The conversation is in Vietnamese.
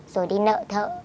rồi đi nợ thợ